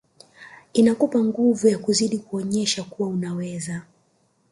Inakupa nguvu ya kuzidi kuonyesha kuwa unaweza